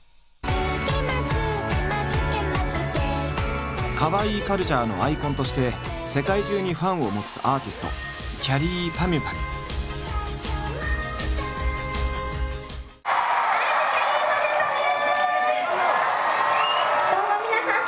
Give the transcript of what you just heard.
「つけまつけまつけまつける」「ＫＡＷＡＩＩ」カルチャーのアイコンとして世界中にファンを持つアーティストきゃりーぱみゅぱみゅ。